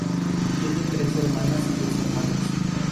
Tiene tres hermanas y dos hermanos.